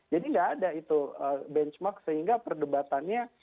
jadi nggak ada itu benchmark sehingga perdebatannya